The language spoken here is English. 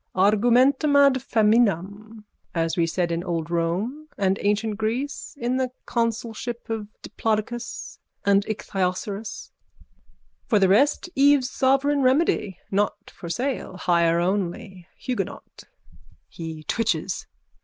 Argumentum ad feminam, as we said in old Rome and ancient Greece in the consulship of Diplodocus and Ichthyosauros. For the rest Eve's sovereign remedy. Not for sale. Hire only. Huguenot. _(He twitches.)